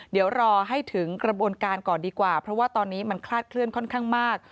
เดี๋ยวรอให้ถึงกระบวนการก่อนดีกว่าเพราะว่าตอนนี้มันคลาดเคลื่อนค่อนข้างมาก